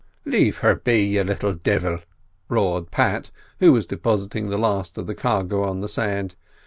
"Lave her be, you little divil!" roared Pat, who was depositing the last of the cargo on the sand.